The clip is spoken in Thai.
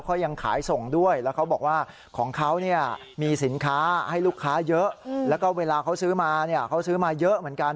เขายังขายส่งด้วยแล้วเขาบอกว่าของเขาเนี่ยมีสินค้าให้ลูกค้าเยอะแล้วก็เวลาเขาซื้อมาเนี่ยเขาซื้อมาเยอะเหมือนกัน